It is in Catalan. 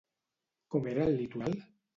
Com era el litoral?